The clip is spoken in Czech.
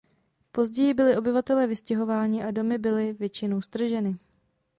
Později byli obyvatelé vystěhováni a domy byly většinou strženy.